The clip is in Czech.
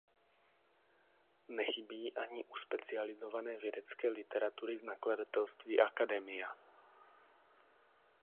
Nechybí ani u specializované vědecké literatury z nakladatelství Academia.